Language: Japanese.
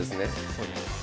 そうです。